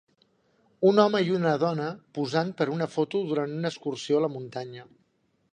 Un home i una dona posant per una foto durant una excursió a la muntanya.